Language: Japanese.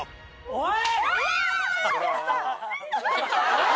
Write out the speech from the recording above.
おい！